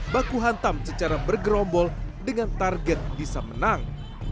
baku hantam secara bergerombol dengan target bisa menang